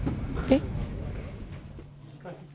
えっ？